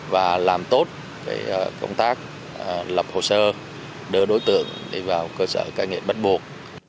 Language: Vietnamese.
và làm tốt công tác lập hồ sơ đưa đối tượng đi vào cơ sở cải nghiệm bất buộc